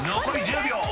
残り１０秒］